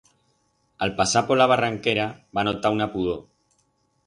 A'l pasar por la barranquera, va notar una pudor.